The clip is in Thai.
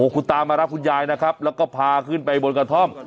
คุณตามารับคุณยายนะครับแล้วก็พาขึ้นไปบนกระท่อม